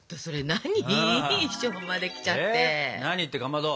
何ってかまど。